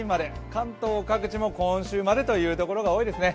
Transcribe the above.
関東各地も今週までという所が多いですね。